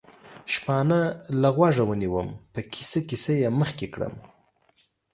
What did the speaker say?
شپانه له غوږه ونیوم، په کیسه کیسه یې مخکې کړم.